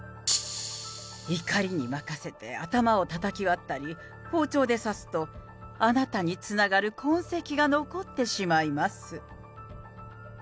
怒りに任せて、頭をたたき割ったり、包丁で刺すと、あなたにつながる痕跡が残ってしまいます。